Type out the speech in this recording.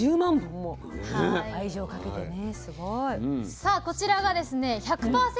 さあこちらがですね１００％